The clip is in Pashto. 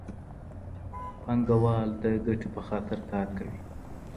پانګوال د ګټې په خاطر کار کوي.